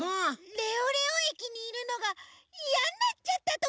レオレオ駅にいるのがいやになっちゃったとか？